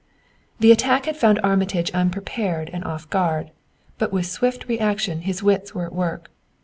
The attack had found Armitage unprepared and off guard, but with swift reaction his wits were at work.